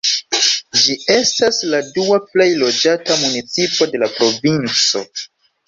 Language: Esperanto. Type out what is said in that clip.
Ĝi estas la dua plej loĝata municipo de la provinco.